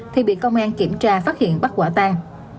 thì bị công an kiểm tra phát hiện bắt quả tang